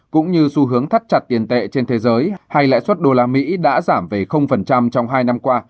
cũng như xu hướng thắt chặt tiền tệ trên thế giới hay lãi suất usd đã giảm về trong hai năm qua